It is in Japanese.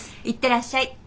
いってらっしゃい。